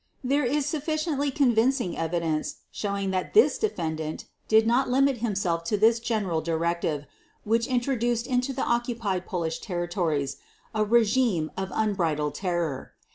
There is sufficiently convincing evidence showing that this defendant did not limit himself to this general directive which introduced into the occupied Polish territories a regime of unbridled terror.